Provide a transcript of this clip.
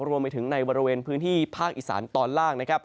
รวมไปถึงในบริเวณพื้นที่ภาคอีสานตอนล่างนะครับ